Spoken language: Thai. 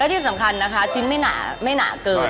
และที่สำคัญนะคะชิ้นไม่หนาไม่หนาเกิน